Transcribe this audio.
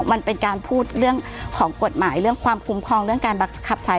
มันเป็นการพูดเรื่องของกฎหมายเรื่องความคุ้มครองเรื่องการบังคับใช้